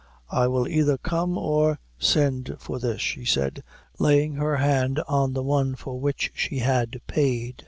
"I will either come or send for this," she said laying her hand on the one for which she had paid.